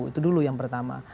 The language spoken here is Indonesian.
itu dulu yang pertama